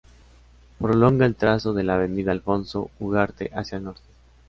Prolonga el trazo de la avenida Alfonso Ugarte hacia el norte.